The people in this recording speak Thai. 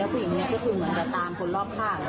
ผู้หญิงนี้ก็คือเหมือนจะตามคนรอบข้าง